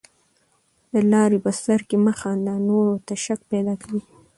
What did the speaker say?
د لاري په سر کښي مه خانده، نورو ته شک پیدا کوې.